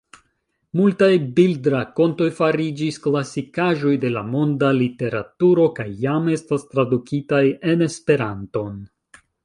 Multaj bildrakontoj fariĝis klasikaĵoj de la monda literaturo kaj jam estas tradukitaj en Esperanton.